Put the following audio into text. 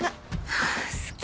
はぁ好き